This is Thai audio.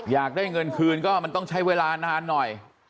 อยากได้เงินคืนก็มันต้องใช้เวลานานหน่อย